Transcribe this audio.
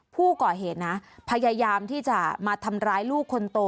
ผู้ก่อเหตุนะพยายามที่จะมาทำร้ายลูกคนโต